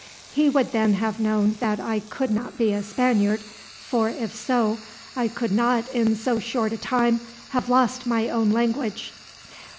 He would then have known that I could not be a Spaniard, for if so, I could not in so short a time have lost my own language."